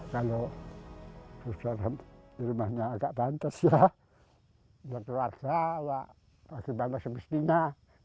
kalau sukses di rumahnya agak bantes ya